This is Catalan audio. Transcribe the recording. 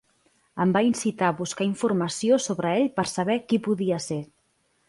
Em va incitar a buscar informació sobre ell per saber qui podia ser.